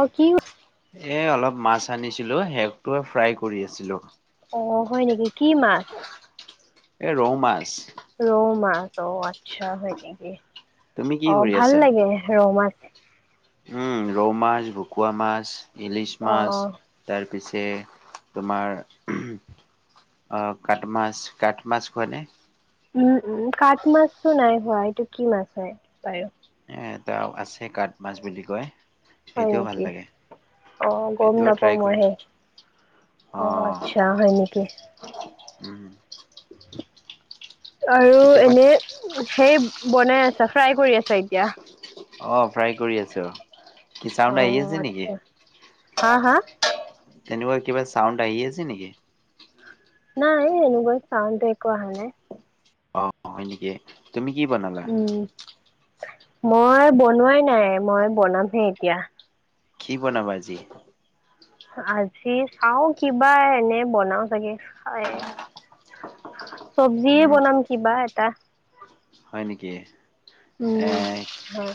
অ' কি এ, অলপ মাছ আনিছিলোঁ, [unintelligible] ফ্ৰাই কৰি আছিলোঁ। অ' হয় নেকি কি মাছ? এ, ৰৌ মাছ। ৰৌ মাছ অ' আচ্ছা হয় নেকি, তুমি কি অ' কৰি ভাল আছা? লাগে ৰৌ মাছ। উম, ৰৌ মাছ, ভকুৱা মাছ, ইলিছ অ মাছ। তাৰ পিছে তোমাৰ অ' কাঠ মাছ কাঠ মাছ কোৱানে? উম, উম, কাঠ মাছটো নাই খোৱা এইটো কি মাছ হয় বাৰু। এ, এটা আছে কাঠ মাছ বুলি কয়। হয় সেইটোও ভাল নেকি, লাগে। অ' গম সেইটোও ট্ৰাই নাপাওঁ কৰিছো মইহে। অ' আচ্ছা হয় নেকি। উম। আৰু কেতিয়াবা এনে সেই বনাই আছা, ফ্ৰাই কৰি আছা এতিয়া। অ' ফ্ৰাই কৰি আছোঁ, কি অ চাউণ্ড আহি আছে নেকি। আচ্ছা হা হা? তেনেকুৱা কিবা চাউণ্ড আহি আছে নেকি। নাই এনেকুৱা চাউণ্ড একো অহা নাই। অ' হয় নেকি তুমি কি বনালা? উম মই বনোৱাই নাই, মই বনামহে এতিয়া। কি বনাবা আজি? আজি চাওঁ কিবা এনে বনাওঁ চাগে খাই। চব্জিয়ে উম বনাম কিবা এটা। হয় নেকি, উম। এই হয়।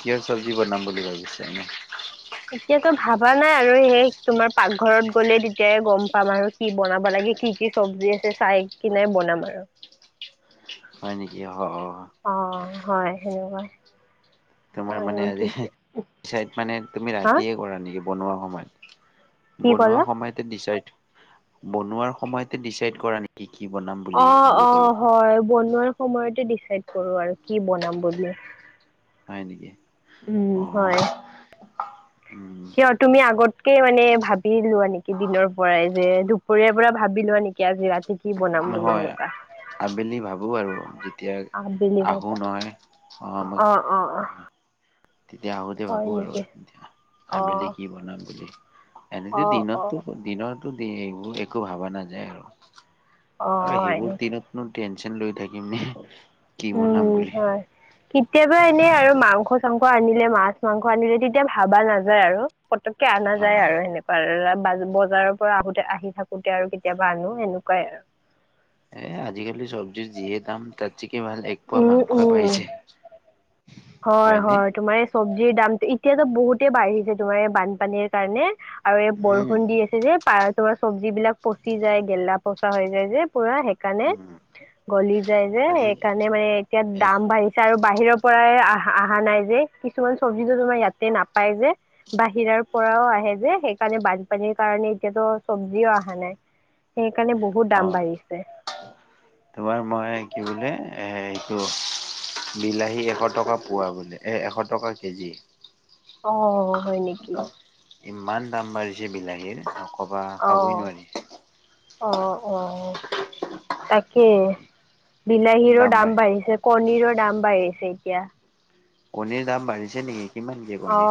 কিহৰ চব্জি বনাম বুলি ভাবিছে এনে? এতিয়াতো ভাবা নাই আৰু সেই তোমাৰ পাকঘৰত গ'লে তেতিয়াই গম পাম আৰু। কি বনাব লাগে কি কি চব্জি আছে চাই কিনে বনাম আৰু। হয় নেকি অ', অ'। অ' হয় সেনেকুৱাই। তোমাৰ মানে আৰু কি আজি [inaudible] মানে তুমি হা ৰাতিয়ে কৰা নেকি বনোৱা কি সময়ত। বনোৱা ক'লা সময়তে ডিচাইড, বনোৱাৰ সময়তে ডিচাইড কৰা কি কি বনাম অ বুলি অ বুলো ক'লোঁ। হয় বনো সময়তে ডিচাইড কৰোঁ আৰু কি বনাম বুলি। হয় নেকি উম অ'। হয় উম কিয় তুমি আগতকে মানে ভাবি লোৱা নেকি দিনৰ পৰাই যে দুপৰীয়াৰ পৰা ভাবি লোৱা নেক কি আজি ৰাতি কি বনাম বুলি নহয় সেনেকুৱা। আবেলি ভাবোঁ আৰু যেতিয়া আবেলি আহোঁ ভাবা নহয় অ' অ', অ', অ'। তেতিয়া আহোঁতে হয় ভাবোঁ আৰু নেকি [inaudible] অ আবেলি কি বনাম বুলি, অ এনেতো অ দিনতো দনৰতো, দি এইবোৰ একো ভাবা নাযায় আৰু, অ আৰু হয় সেইবোৰ নেকি দিনত টেনচন লৈ থাকিম নে কি বনাম উম, বুলি হয় কেতিয়াবা এনেই আৰু মাংস মা-মাংস আনিলে মাছ-মাংস আনিলে তেতিয়া ভাবা নাযায় আৰু, পতককে অনা যায় আৰু অ'। সেনেকোৱা প, বজাৰৰ পৰা আহোতে আহি থাকোতে আৰু কেতিয়াবা আনো সেনেকুৱাই আৰু। এ, আজিকালি চব্জিৰ যিয়ে দাম, তাতকে ভাল এক পোৱা উম মাংসই উম পাই যাই। হয়, হয় তোমাৰ এই চব্জিৰ দামটো এতিয়াতো বহুতে বাঢ়িছে তোমাৰ বানপানীৰ কাৰণে। আৰু এই উম, বৰষুণ দি আছে যে, পাৰ তোমাৰ চব্জ বিলাক পচি যায় গেলা-পচা হৈ যায় যে পুৰা কানে, উম, গলি যায় যে আজি সেইকাৰণে মানে এতিয়া এশ দাম বাঢ়িছে আৰু বাহিৰৰ পৰাই আহা, অহা নাই যে কিছুমান চব্জি তোমাৰ ইয়াতে নাপায় যে। বাহিৰাৰ পৰাও আহে যে সেইকাৰণে বানপানীৰ কাৰণে এতিয়াতো চবজিও অহা নাই, সেইকাৰণে বহু অ, তোমাৰ মই কি বোলে, এইটো বিলাহী এশ টকা পোৱা, বুলি এ, এশ টকা কেজি। অ, হয় নেকি। ইমান দাম বাঢ়িছে বিলাহীৰ, নক'বা অ খাবই নোৱাৰি। অ, অ, তাকে বিলাহীৰো দাম বাঢ়িছে, কণীৰো দাম বাঢ়িছে এতিয়া। কনীৰ দাম বাঢ়িছে নেকি? কিমান দিয়ে অ, কণী?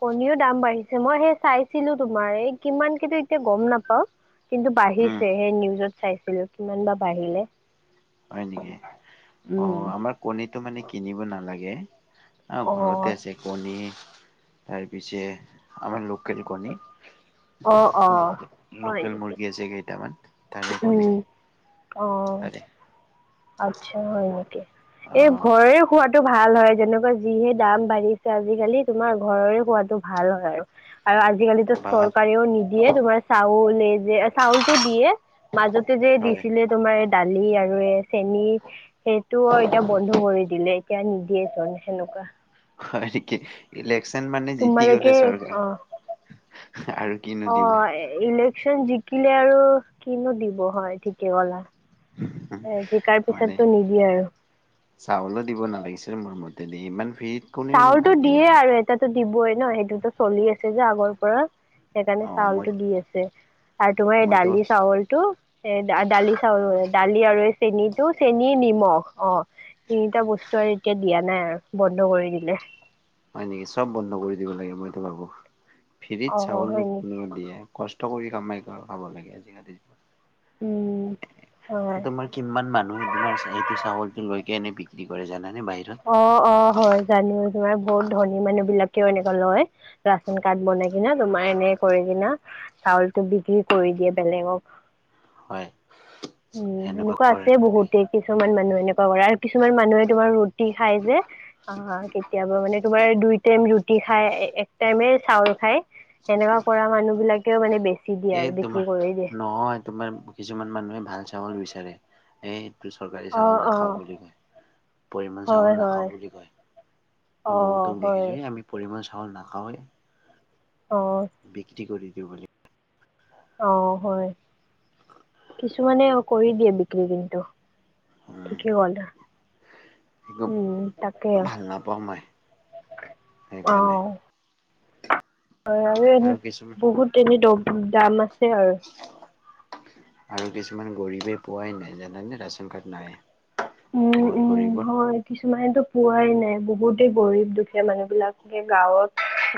কণীও দাম বাঢ়িছে মই সেই চাইছিলো, তোমাৰ এই কিমান কিন্তু এতিয়া গম নাপাওঁ। কিন্তু উম, বাঢ়িছে সেই নিউজত চাইছিলো, কিমান বা বাঢ়িলে? হয় নেকি অ, উম আমাৰ কণীটো মানে কিনিব নালাগে। আহ অ ঘৰতে আছে, কণী তাৰপিছে আমাৰ লোকেল কণী, অ অ হয় লোকেল নেকি মুৰ্গী আছে, কেইটামান তাৰে কণী। উম অ [unintelligible] আচ্ছা হয় নেকি, এই অ', ভইৰো খোৱটো ভাল হয় যেনেকুৱা যিহে দাম বাঢ়িছে আজিকালি তোমাৰ ঘৰৰে খোৱটো ভাল হয় আৰু। আৰু আজিকালিতো ভাল চৰকাৰেও নিদিয়ে, তোমাৰ চাউল এই যে চাউলটো দিয়ে। মাজতে যে হয়। দিছিলে, তোমাৰ দালি আৰু এ চেনি সেইটো এতিয়া বন্ধ কৰি দিলে এতিয়া নিদিয়েজন সেনেকুৱা। হয় নেকি? ইলেকশচন মানে জতি তোমালোকে গ'লে চৰকাৰ, অ আৰু কিনো‌ অ দিব। ইলেকচন জিকিলে আৰু, কিনো দিব হয় ঠিকে ক'লা। হ, জিকাৰ মানে পিছতো নিদিয়ে আৰু। চাউলো দিব নালাগিছিল মোৰ মতে, দেই ইমান ফ্ৰিট চাউলতো দিয়ে আৰু এটাতো দিবই ন, সেইটোতো চলি আছে যে আগৰ পৰা। সেইকাৰণে অ', মই চাউলটো দি আছে, আৰু তোমাৰ এই মইতো দালি চাউলটো এ, দালি, চাউল দালি আৰু এই চেনটো চেনী নিমখ অ, তিনিটা বস্তু আৰু এতিয়া দিয়া নাই আৰু, বন্ধ কৰি দিলে। হয় নেকি চ'ব বন্ধ কৰি দিব লাগিৱ মইতো ভাবো ফেৰিত অঁ চাউল হয় নেকি কোনো দিয়ে। কষ্ট কৰি কামাই কৈ আৰু খাব লাগে আজিকালি। উম হয় তোমাৰ কিমান মানুহে তোমাৰ এইটো চাউলটো লৈ কেনে বিক্ৰী কৰে জানানে বাহিৰত। অ, অ, হয় জানো তোমাৰ বহুত ধনী মানুহ বিলাকেও এনেকুৱা লয়। ৰাচন কাৰ্ড বনাই কিনা, তোমাৰ এনে কৰি কিনা, চাউলতটো বিক্ৰী কৰি দিয়ে বেলেগক। হয় উম, সেনেকুৱা আছে বহুত। কিছুমান মানুহে এনেকুৱা কৰে, আৰু কিছুমান মানুহে তোমাৰ ৰুটি খাই যে। অ, কেতিয়াবা মানে তোমাৰ দুই টাইম ৰুটি খাই এক টাইমে চাউল খাই। সেনেকা কৰা মানুহ বিলাকেও মানে বেছি এ তোমাৰ, নহয় তোমাৰ কিছুমান মানুহে ভাল চাউল বিচাৰে। এই চৰকাৰী অ', চাউল নাখাওঁ, অ', বুলি কয় পৰিমাণ হয়, চাউল নাখাওঁ হয়, বুলি কয়। অ', বহুতক হয়, দেখিছোঁ আমি পৰিমাণ চাউল নাখাওয়ে। অ'। বিক্ৰী কৰি দিওঁ বুলি। অ' হয়, কিছুমানে কৰি দিয়ে বিক্ৰী কিন্তু। উম ঠিকে ক'লা। একো উম তাকে, ভাল নাপাওঁ মই অ'। সেইকাৰণে হয় আৰু, এ বহুত এনে দম দাম আছে আৰু। আৰু কিছুমান গৰীবে পোৱাই নাই জানে ৰেচন কাৰ্ড নাই। উম বহুত উম, গৰীবৰ হয়। কিছুমানেতো পোৱাই নাই, বহুতেই গৰীব দুখীয়া মানুহ বিলাকে গাঁৱত।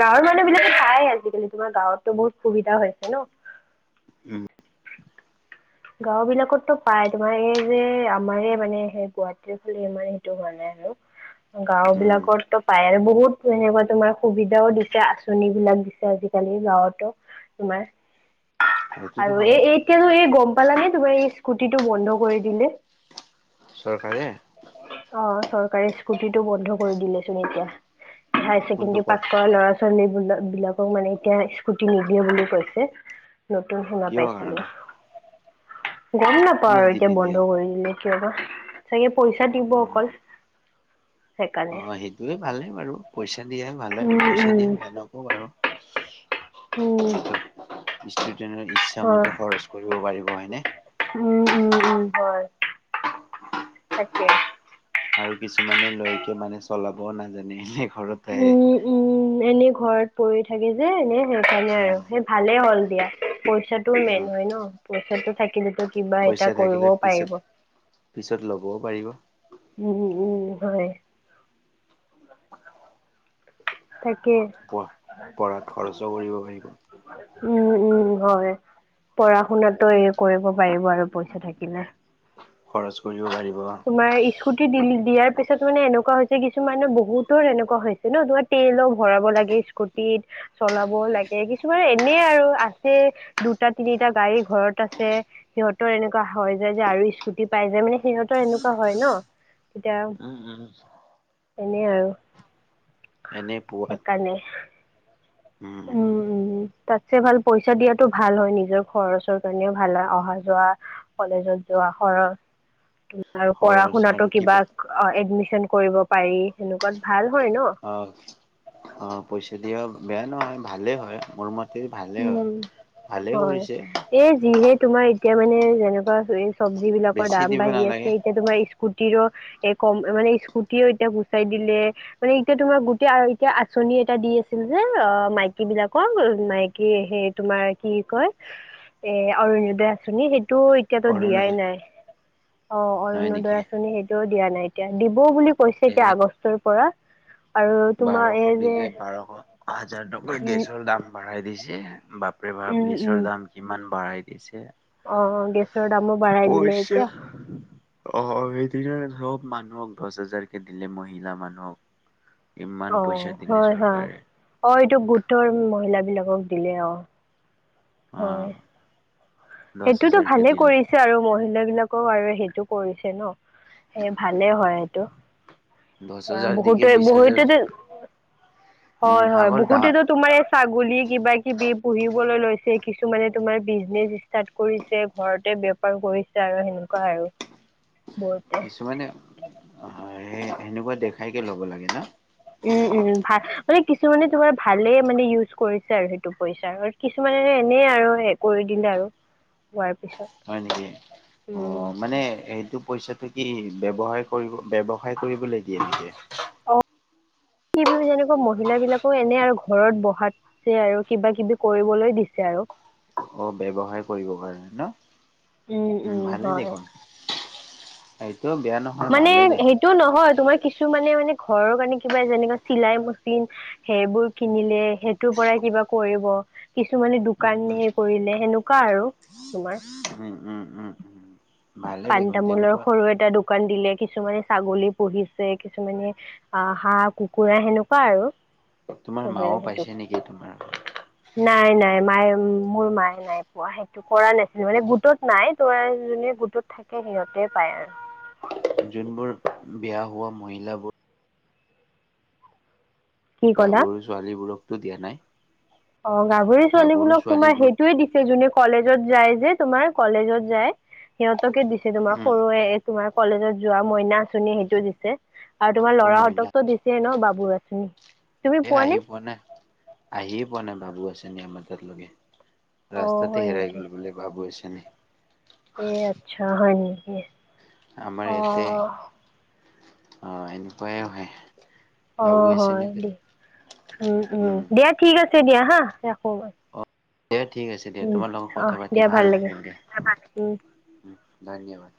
গাঁৱৰ মানুহ বিলাকে খায়, আজিকালি তোমাৰ গাঁৱতো বহুত সুবিধা হৈছে ন। উম গাঁও বিলাকতো পাই তোমাৰ এই যে আমাৰ মানে সেই গুৱাহাটীৰ ফালে সেইটো হোৱা নাই আৰু। গাঁও উম বিলাকততো পায়, বহুত এনেকুৱা তোমাৰ সুবিধাও দিছে আঁচনি বিলাক দিছে আজি গাওঁতো, তোমাৰ সেইটোতো আৰু হয় এই এই এইকো গম পালা নে তোমাৰ এই স্কুটিটো বন্ধ কৰি দিলে। চৰকাৰে অ' চৰকাৰে স্কুটিটো বন্ধ কৰি দিলেচোন এতিয়া। হায়াৰ কোনটো ছেকেণ্ডাৰী পাছ কল কৰা ল'ৰা ছোৱালীবিলাক বিলাক মানে এতিয়া স্কুটি নিদিয়ে বুলি কৈছে। নতুন সুনা কিয় পাইছিলো। কাৰণে গম নাপাওঁ কিয় আৰু দি এতিয়া নিদিয়া বন্ধ কৰি দিলে কিয় বা, চাগে পইচা দিব উম অকল। সেইকাৰণে অ' সেইটোয়ে ভালেই বাৰু পইচা দিয়া ভালে পইচা দিয়া উম বেয়া নকৰো। উম। ষ্টুডেন্টৰ ইচ্ছা হয় মতে খৰচ কৰিব পাৰিব হয়নে? উম, উম, উম, হয় তাকেই। আৰু কিছুমানে লৈকে মানে চলাবও নাজানে এনে ঘৰত আহে। উম উম, এনে ঘৰত পৰি থাকে যে এনে সেইকাৰণে আৰু, আহ সেই ভালেই হ'ল দিয়া পইচাটো উম মেইন হয় ন। পইছাটো থাকিলেতো কিবা এটা পইচা থাকিলে কৰিবও পিছত পাৰিব। উম পিছত ল'বও পাৰিব উম, হয়। তাকে। প, পঢ়াত খৰচো কৰিব পাৰিব। উম, উম হয়। পঢ়া শুনাতো এই কৰিব পাৰিব আৰু পইচা থাকিলে। খৰচ কৰিব পাৰিব। তোমাৰ স্কুটি দিল দিয়াৰ পিছত মানে এনেকুৱা হৈছে, কিছুমানে বহুতৰ এনেকুৱা হৈছে, ন তোমাত তেলো ভৰাব লাগে স্কুটিত। চলাব লাগে, কিছুমান এনে আৰু আছে, দুটা তিনিটা গাড়ী ঘৰত আছে। সিহঁতৰ এনেকুৱা হয় যায়, যে আৰু স্কুটি পাই যায় মানে সিহঁত এনেকুৱা হয় ন, তেতিয়া, উম উম এনে আৰু। এনে পোৱাত সেইকাৰণে। উম। তাতছে ভাল পইচা দিয়াতটো ভাল হয়, নিজৰ খৰচৰ কাৰণেও ভাল হয়, অহা যোৱা কলেজত যোৱা সৰচ। আৰু পঢ়া খৰচ শুনাতো আৰু কিবা এডমিচন কৰিব পাৰি, সেনেকুৱাত ভাল হয় ন। অ' অ' পইচা দিয়া বেয়া নহয় ভালেই হয়, মোৰ মত স ভালে হয়, ভালে কৰিছে। এ যিহে তোমাৰ এতিয়া মানে যেনেকুৱা চব্জি বিলাকৰ বেছি দাম দিব বাঢ়ি নালাগে আছে, এতিয়া তোমাৰ স্কুটিৰো, এ কম মানে স্কুটিও এতিয়া গুচাই দিলে। মানে এতিয়া তোমাৰ গোটেই এতিয়া আঁচনি এটা দি আছিল যে, অ', মাইকী বিলাকক, মাইক কি সেই তোমাৰ কি কয়! এ, অৰুনোদয় আঁচনি, সেইটো এতিয়াতো সৰু নালাগে দিয়াই নাই। অ', নহয় নেকি? অৰুণোদয় আঁচনি সেইটোও দিয়া নাই এতিয়া, দিবও বুলি কৈছে এতিয়া এই আগষ্টৰ পৰা। আৰু তোমাৰ বাৰশ এই যে দিলে, বাৰশ হাজাৰ টকা উম গেছৰ দাম বাঢ়াই দিছে। বাপ এইবাৰ উম উম বিছৰ দাম কিমান বঢ়াই দিছে। অ', গেছৰ দামো বাঢ়াই দিলে পইচা এতিয়া। অ', সেইদিনা চব মানুহক দছ হাজাৰকে দিলে মহিলা মানুহক। ইমান পইচা অ', দিলে হয়, হয়। চৰকাৰে অ', এইটো গোটৰ মহিলা বিলাকক দিলে অ'। হয়। অ'। দহ সেইটোতো হাজাৰকে ভালে দিলে কৰিছে আৰু মহিলা বিলাকক আৰু সেইটো কৰিছে ন! এ, ভালে হয় এইটো। দহ অ', হাজাৰ দিকে বহুতে বিশ হাজাৰ বহুতেত, উম হয়, হয়। আগৰ দা বহুতেত তোমাৰ ছাগলী কিবা কিবি পুহিবলৈ লৈছে, কিছুমানে তোমাৰ বিজনেচ ষ্টাৰ্ট কৰিছে, ঘৰতে বেপাৰ কৰিছে আৰু সেনেকুৱা আৰু বহুতে। তু মানে, সই সেনেকুৱা দেখাইকে ল'ব লাগে ন? উ, উ, ভা মানে কিছুমানে তোমাৰ ভালেই মানে ইউজ কৰিছে আৰু সেইটো পইচাৰ কিছুমানে এনেই আৰু হে কৰি দিলে আৰু, হোৱাৰ পিছত। হয় নেকি? উম অ', মানে এইটো পইচাটে কি ব্যবহায় কৰিব, ব্যৱসায় কৰিবলৈ দিয়ে নেকি! অ কি [unintelligible] যেনেকৈ মহিলা বিলাকো এনে আৰু ঘৰত বহাত যে আৰু কিবা কিবি কৰিবলৈ দিছে আৰু। অ', ব্যৱহায় কৰিব কাৰণে ন? উম উ, উম ভালেই হয় দেখোন। এইটো বেয়া নহ মানে সেইটো নহয়, তোমাৰ কিছুমানে মানে ঘৰৰ কাৰণে কিবা যেনেকে চিলাই মেচিন সেইবোৰ কিনিলে, সেইটোৰ পৰাই কিবা কৰিব। কিছুমানে উম উম দোকানে কৰিলে, সেনেকুৱা আৰু তোমাৰ। উ, উ, উ, উ। পাণ-তামোলৰ সৰু এটা দোকান দিলে, কিছুমানে ছাগলী পুহিছে, কিছুমানে অ', হাঁহ-কুকুৰা সেনেকুৱা আৰু। তোমাৰ চবে মাও সেইটো। পাইছে নেকি তোমাৰ নাই নাই মায়ে মোৰ মায়ে নাই পোৱা সেইটো, কৰা নাছিল মানে, গোটত নাই ত' জোনে গোটত থাকে, সিহঁতে পাই আৰু। জোনবোৰ বিয়াহোৱা মহিলা বোৰ কি ক'লা গাভৰু ছোৱালীবোৰকতো দিয়া নাই। অ', গাভৰি ছোৱালী গাভৰু বলাক তোমাৰ ছোৱালীবোৰক সেইটোয়ে দি সেই জোনে কলেজত যায় যে তোমাৰ, কলেজত যায়। সিহঁতকে দিছে তোমাৰ, উম সৰুৱে তোমাৰ কলেজত যোৱা মইনা আঁচনি সেইটো দিছে। আৰু তোমাৰ অ মইনা ল'ৰাহঁতক তো দিছে ন' বাবু আঁচনি। তুমি এ, নে আহি পোৱা নাই। আহিয়ে পোৱা নাই বাবু আচঁনি আমাৰ তাৰলৈকে। অ ৰাস্তাতে হয় হেৰাই নেকি গ'ল বোলে বাবু আঁচনি। এ, আচ্ছা, হয় নিকি! আমাৰ য়াতে, অ', এনেকুৱাই হয়। বাবু অ', হয়, আঁচনিতে দেই। উ, উ, উম দিয়া ঠিক আছে দিয়া হাঁ, ৰাখো বাৰু। অ' দিয়া ঠিক আছে দিয়া, তোমাৰ লগত কথা পাতি ভাল লাগিল দিয়া। উম ধন্যবাদ।